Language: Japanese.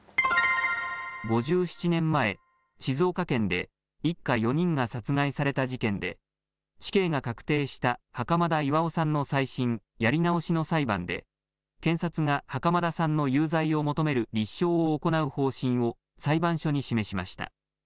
５７年前、静岡県で一家４人が殺害された事件で、死刑が確定した袴田巌さんの再審・やり直しの裁判で、検察が袴田さんの有罪を求める立証を行う方針を裁判所に示しました。